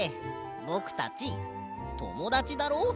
ぼくたちともだちだろ。